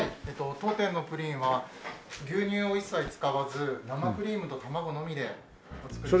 当店のプリンは牛乳を一切使わず生クリームと卵のみでお作りしています。